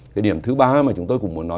cái điểm thứ ba mà chúng tôi cũng muốn nói